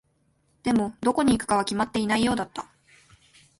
でも、どこに行くかは決まっていないようだった。